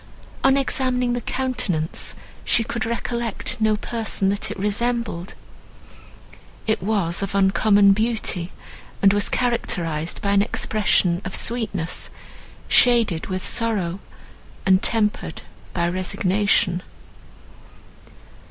On examining the countenance she could recollect no person that it resembled. It was of uncommon beauty, and was characterised by an expression of sweetness, shaded with sorrow, and tempered by resignation.